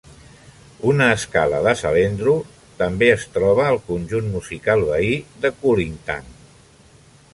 Una escala de "salendro" també es troba al conjunt musical veí de Kulintang.